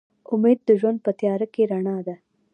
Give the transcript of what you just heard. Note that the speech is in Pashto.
امید د ژوند په تیاره کې رڼا ده.